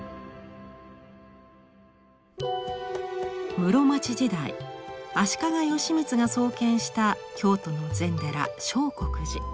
室町時代足利義満が創建した京都の禅寺相国寺。